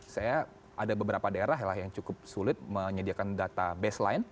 saya ada beberapa daerah yang cukup sulit menyediakan data baseline